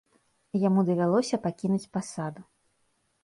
Яму давялося пакінуць пасаду.